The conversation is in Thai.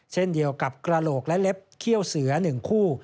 เช่นเดียวกับกระโหลกและเล็บเขี้ยวเสือ๑คู่